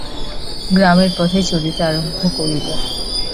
গ্রামের পথে চলিতে আরম্ভ করিল।